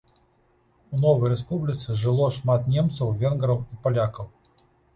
У новай рэспубліцы жыло шмат немцаў, венграў і палякаў.